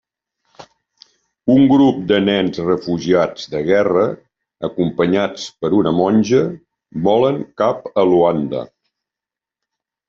Un grup de nens refugiats de guerra, acompanyats per una monja, volen cap a Luanda.